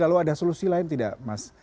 lalu ada solusi lain tidak mas